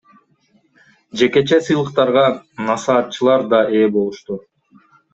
Жекече сыйлыктарга насаатчылар да ээ болушту.